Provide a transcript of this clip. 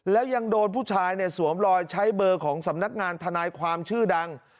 แล้วยังโดนผู้ชายเนี่ยสวมรอยใช้เบอร์ของสำนักงานทนายความชื่อดัง